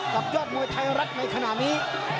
ยอดมวยไทยรัฐในขณะนี้